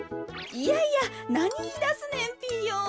いやいやなにいいだすねんピーヨン。